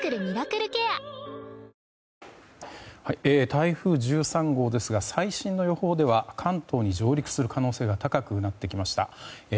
台風１３号ですが最新の予報では、関東に上陸する可能性が高くなってきました。